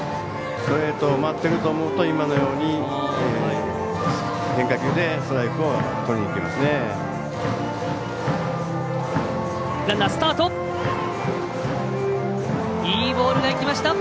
ストレート待ってると思うと、今のように変化球でストライクをとりにいきますね。